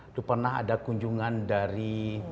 itu pernah ada kunjungan dari